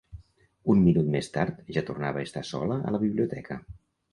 Un minut més tard ja tornava a estar sola a la biblioteca.